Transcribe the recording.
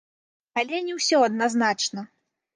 Але не ўсё адназначна.